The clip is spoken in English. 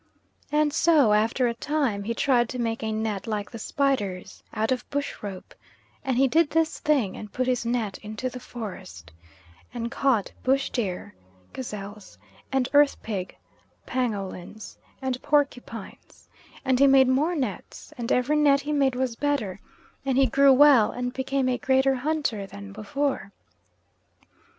And so after a time he tried to make a net like the spider's, out of bush rope, and he did this thing and put his net into the forest, and caught bush deer (gazelles) and earthpig (pangolins) and porcupines, and he made more nets, and every net he made was better, and he grew well, and became a greater hunter than before.